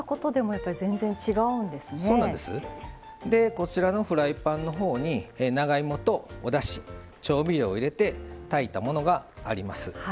こちらのフライパンのほうに長芋とおだし調味料を入れて炊いたものがあります。